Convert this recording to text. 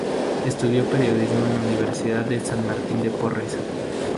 Estudió Periodismo en la Universidad de San Martín de Porres.